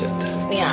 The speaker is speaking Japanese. いや！